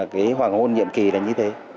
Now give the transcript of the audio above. cái hoàng hôn nhiệm kỳ là như thế